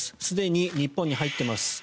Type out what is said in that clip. すでに日本に入っています。